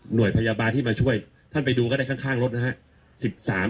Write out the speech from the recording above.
หน่วยพยาบาลที่มาช่วยท่านไปดูก็ได้ข้างรถนะฮะ